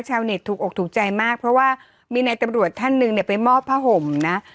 ชาวเน็ตถูกอกถูกใจมากเพราะว่ามีนายตำรวจท่านหนึ่งเนี่ยไปมอบผ้าห่มนะ